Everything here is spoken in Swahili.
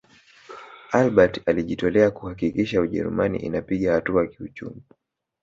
albert alijitolea kuhakikisha ujerumani inapiga hatua kiuchumi